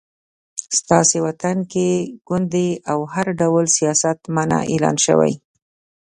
ستاسې وطن کې ګوندي او هر ډول سیاست منع اعلان شوی